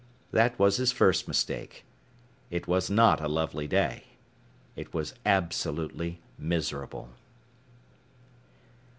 That was his first mistake. It was not a lovely day. It was absolutely miserable.